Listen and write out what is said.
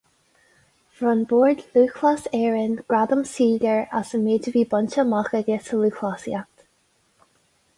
Bhronn Bord Lúthchleas Éireann gradam saoil air as an méid a bhí bainte amach aige sa lúthchleasaíocht.